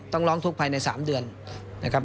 ต้องร้องทุกข์ภายใน๓เดือนนะครับ